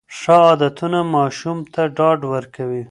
ښه عادتونه ماشوم ته ډاډ ورکوي.